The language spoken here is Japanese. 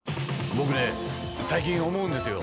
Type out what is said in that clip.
僕ね最近思うんですよ。